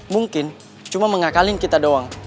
mungkin cuma mengakalin kita doang